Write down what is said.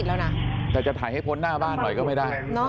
เยอะสุดท้ายเป็นเหลือเท่าไหร่ก็ไม่ได้